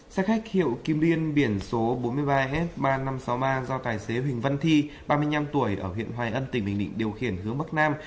xe khách hiệu kim liên biển số bốn mươi ba h ba nghìn năm trăm sáu mươi ba do tài xế huỳnh văn thi ba mươi năm tuổi ở huyện hoài ân tỉnh bình định điều khiển hướng bắc nam